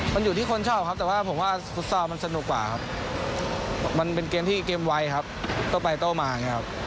มันอยู่ที่คนชอบครับแต่ว่าผมว่าฟุตซอลมันสนุกกว่าครับมันเป็นเกมที่เกมไวครับโต้ไปโต้มาอย่างนี้ครับ